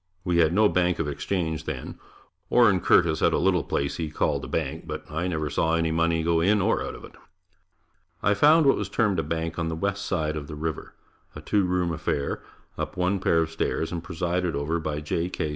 We had no bank of exchange then. Orin Curtis had a little place he called a bank, but I never saw money go in or out of it. I found what was termed a bank on the west side of the river a two room affair, up one pair of stairs, and presided over by J. K.